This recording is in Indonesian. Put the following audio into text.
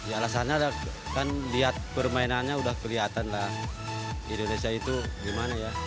alasannya kan lihat permainannya udah kelihatan lah indonesia itu gimana ya